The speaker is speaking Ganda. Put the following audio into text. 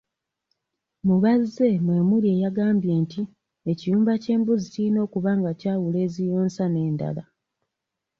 Mu bazze mwe muli eyagambye nti ekiyumba ky'embuzi kirina okuba nga kyawula eziyonsa n'endala.